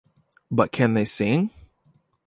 But Can They Sing?